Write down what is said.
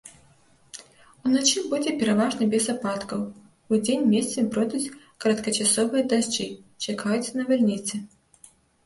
Уначы будзе пераважна без ападкаў, удзень месцамі пройдуць кароткачасовыя дажджы, чакаюцца навальніцы.